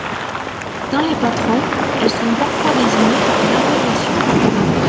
Dans les patrons, elles sont parfois désignés par une abréviation.